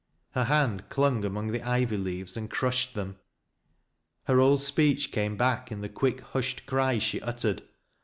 Hei hand clung among the ivy leaves and crushed them SOT YET. 269 Her old speech came back in the quick hushed cry she uttered.